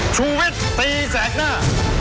ชูเวทตีแสดหน้า